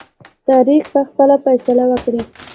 تاریخ به خپل فیصله وکړي.